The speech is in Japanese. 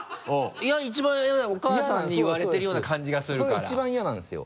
お母さんに言われてるような感じがするからそれ一番嫌なんですよ